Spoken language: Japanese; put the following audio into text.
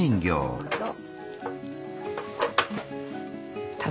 どうぞ。